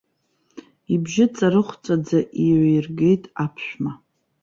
Ибжьы ҵарыхәҵәаӡа иҩаиргеит аԥшәма.